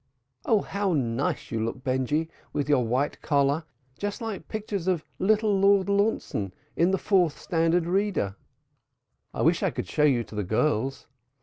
Oh, how nice you look, Benjy, with your white collar, just like the pictures of little Lord Launceston in the Fourth Standard Reader. I wish I could show you to the girls!